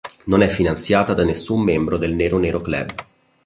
Non è finanziata da nessun membro del Nero Nero Club.